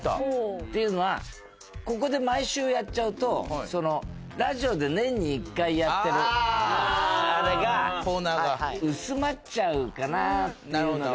っていうのはここで毎週やっちゃうとそのラジオで年に１回やってるあれが薄まっちゃうかなっていうのがあって。